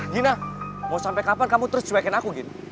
gina mau sampe kapan kamu terus cuekin aku gin